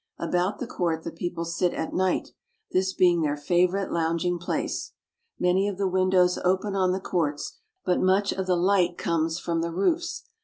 About the court the people sit at night, this being their favorite lounging place. Many of the windows open on the courts, but much of the light comes from the roofs.